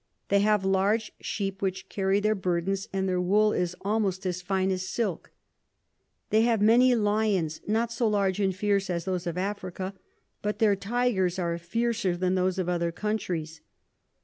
They have large Sheep which carry their Burdens, and their Wool is almost as fine as Silk. They have many Lions, not so large and fierce as those of Africa, but their Tygers are fiercer than those of other Countries.